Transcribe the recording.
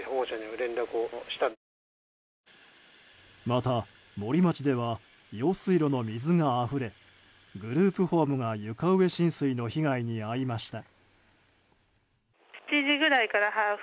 また、森町では用水路の水があふれグループホームが床上浸水の被害に遭いました。